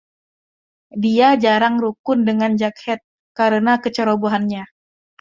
Dia jarang rukun dengan Jughead, karena kecerobohannya.